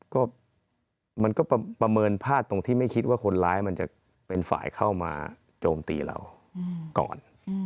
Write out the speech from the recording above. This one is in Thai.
ก็มันก็ประเมินพลาดตรงที่ไม่คิดว่าคนร้ายมันจะเป็นฝ่ายเข้ามาโจมตีเราก่อน